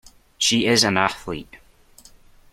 She is an Athlete.